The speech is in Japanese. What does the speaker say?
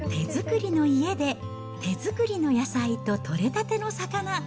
手作りの家で、手作りの野菜と取れたての魚。